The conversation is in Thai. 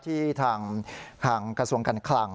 ที่ทางกระทรวงการคลัง